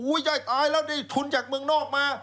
ยายตายแล้วได้ทุนจากเมืองนอกมา